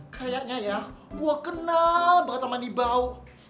kayaknya ya gua kenal banget sama nih bau